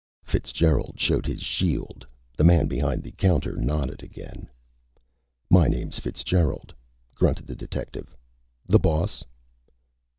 Fitzgerald showed his shield. The man behind the counter nodded again. "My name's Fitzgerald," grunted the detective. "The boss?"